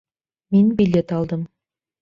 Мин билет алдым.